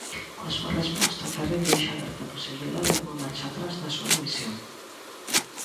Coa súa resposta, Ferrín deixa aberta a posibilidade dunha marcha atrás na súa dimisión.